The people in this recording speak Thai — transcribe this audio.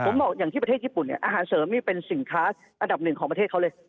ผมบอกอย่างที่ประเทศญี่ปุ่นเนี่ยอาหารเสริมนี่เป็นสินค้าอันดับหนึ่งของประเทศเขาเลย